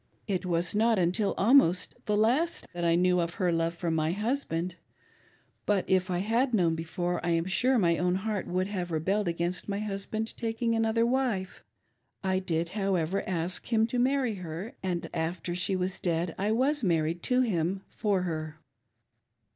It was not vintil almost the last that I knew of her love for my husbj(,nd ; bi^t if I had known before, I am sure my own heart would have rebelled against my husband taking ijdaother wife. I did, however, ask him to marry her, and ffter she was dead I was married to him for her."